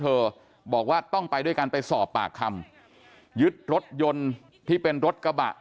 บอกว่าต้องไปด้วยกันไปสอบปากคำยึดรถยนต์ที่เป็นรถกระบะ